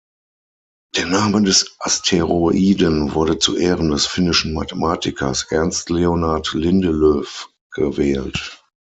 Der Name des Asteroiden wurde zu Ehren des finnischen Mathematikers Ernst Leonard Lindelöf gewählt.